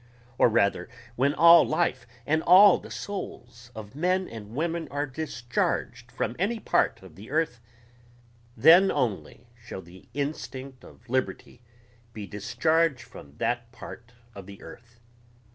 or rather when all life and all the souls of men and women are discharged from any part of the earth then only shall the instinct of liberty be discharged from that part of the earth.